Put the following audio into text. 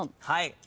はい。